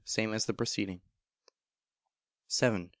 _ same as the preceding. vii.